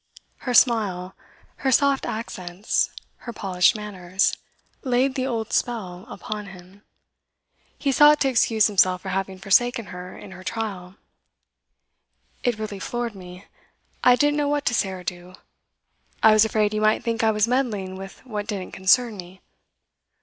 Her smile, her soft accents, her polished manners, laid the old spell upon him. He sought to excuse himself for having forsaken her in her trial. 'It really floored me. I didn't know what to say or do. I was afraid you might think I was meddling with what didn't concern me.